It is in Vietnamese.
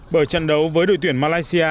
bởi trận đấu với đội tuyển malaysia